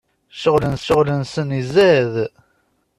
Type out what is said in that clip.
Ccɣel-nsen izad!